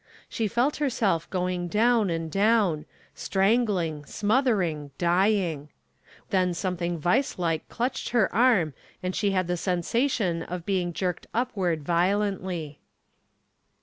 She felt herself going down and down, strangling, smothering, dying. Then something vise like clutched her arm and she had the sensation of being jerked upward violently.